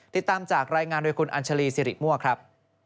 ติดตามจากรายงานโดยคุณอัญชาลีสิริมั่วครับ